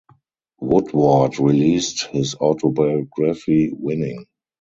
Woodward released his autobiography, Winning!